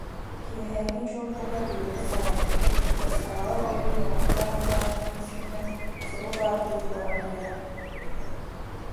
Киэһээҥҥи чуумпуга биһиги саҥабыт, чугастааҕы ойуун уҥуохтаах бырааҥҥа эҥсиллэн субу баардыы дуораһыйара